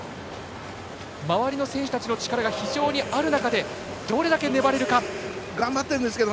周りの選手たちの力が非常にある中でどれだけ粘れるか。頑張ってるんですけど。